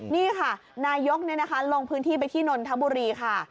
นี่ค่ะนายกลงพื้นที่ไปที่นนทบุรีค่ะ